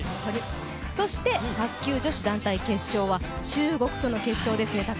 そして卓球女子団体決勝は中国との決勝ですね。